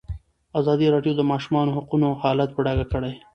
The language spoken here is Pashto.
ازادي راډیو د د ماشومانو حقونه حالت په ډاګه کړی.